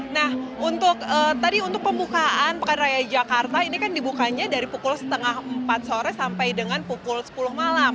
nah untuk tadi untuk pembukaan pekan raya jakarta ini kan dibukanya dari pukul setengah empat sore sampai dengan pukul sepuluh malam